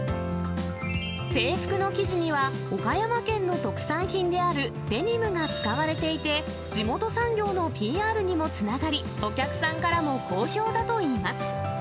制服の生地には、岡山県の特産品であるデニムが使われていて、地元産業のＰＲにもつながり、お客さんからも好評だといいます。